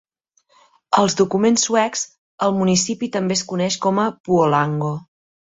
Als documents suecs, el municipi també es coneix com a "Puolango".